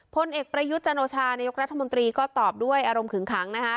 พลเอกปรยุจจันโทรชานายรัฐมนตรีก็ตอบด้วยอารมณ์ขึงขัง